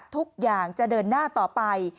ทุกอย่างจะเดินหน้าต่อไป